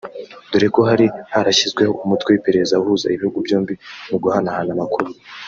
dore ko hari haranashyizweho umutwe w’iperereza uhuza ibihugu byombi mu guhanahana amakuru